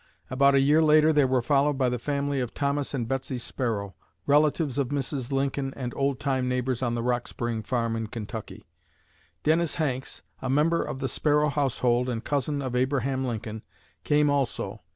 About a year later they were followed by the family of Thomas and Betsy Sparrow, relatives of Mrs. Lincoln and old time neighbors on the Rock Spring farm in Kentucky. Dennis Hanks, a member of the Sparrow household and cousin of Abraham Lincoln, came also.